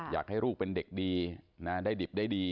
อยากให้ลูกเป็นเด็กดีนะได้ดิบได้ดี